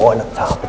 oh enak banget ini